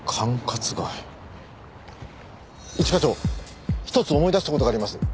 一課長一つ思い出した事があります。